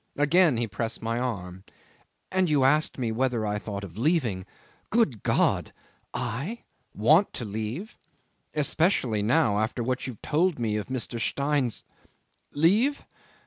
Again he pressed my arm. "And you asked me whether I thought of leaving. Good God! I! want to leave! Especially now after what you told me of Mr. Stein's ... Leave!